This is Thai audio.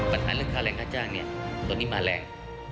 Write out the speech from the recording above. ปัญหาเรื่องค่าแรงค่าจ้างตัวนี้มาแรง